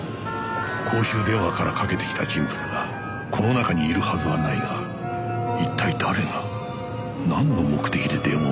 公衆電話からかけてきた人物がこの中にいるはずはないが一体誰がなんの目的で電話をしてきたのか